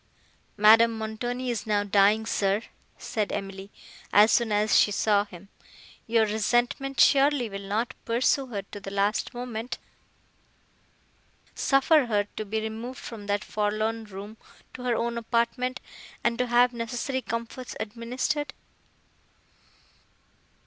"Madame Montoni is now dying, sir," said Emily, as soon as she saw him—"Your resentment, surely will not pursue her to the last moment! Suffer her to be removed from that forlorn room to her own apartment, and to have necessary comforts administered."